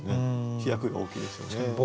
飛躍が大きいですよね。